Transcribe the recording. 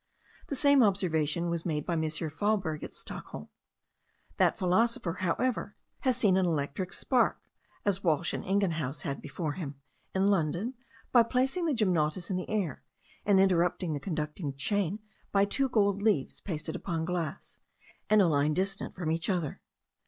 The same observation was made by M. Fahlberg at Stockholm. That philosopher, however, has seen an electric spark, as Walsh and Ingenhousz had before him, in London, by placing the gymnotus in the air, and interrupting the conducting chain by two gold leaves pasted upon glass, and a line distant from each other.